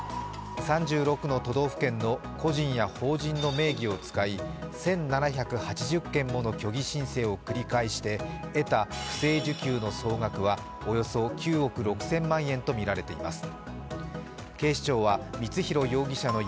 ３６の都道府県の個人や法人の名義を使い１７８０件もの虚偽申請を繰り返して得た不正受給の総額はおよそ９億６０００万円とみられています。